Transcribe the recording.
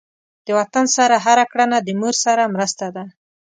د وطن سره هر کړنه د مور سره مرسته ده.